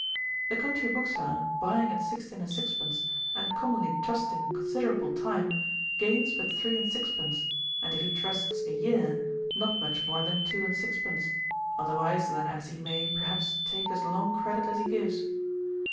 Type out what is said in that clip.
'The country bookseller, buying at sixteen and sixpence, and commonly trusting a considerable time, gains but three and sixpence, and if he trusts a year, not much more than two and sixpence; otherwise than as he may, perhaps, take as long credit as he gives.